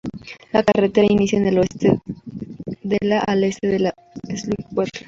La carretera inicia en el Oeste desde la hacia el Este en la Stillwater.